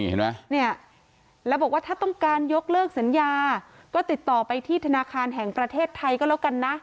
เห็นไหมเนี่ยแล้วบอกว่าถ้าต้องการยกเลิกสัญญาก็ติดต่อไปที่ธนาคารแห่งประเทศไทยก็แล้วกันนะ